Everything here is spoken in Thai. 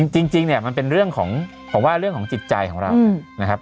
จริงเนี่ยมันเป็นเรื่องของผมว่าเรื่องของจิตใจของเรานะครับ